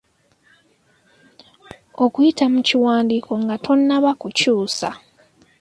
Okuyita mu kiwandiiko nga tonnaba kukyusa